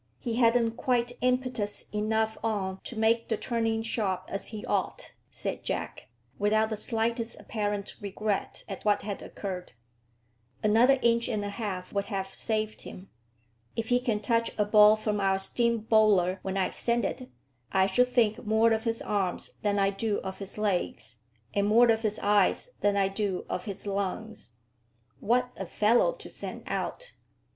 "He hadn't quite impetus enough on to make the turning sharp as he ought," said Jack, without the slightest apparent regret at what had occurred. "Another inch and a half would have saved him. If he can touch a ball from our steam bowler when I send it, I shall think more of his arms than I do of his legs, and more of his eyes than I do of his lungs. What a fellow to send out!